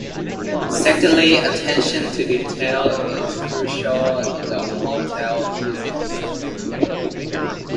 Secondly, attention to detail is crucial in the hotel business.